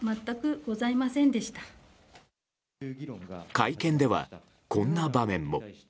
会見では、こんな場面も。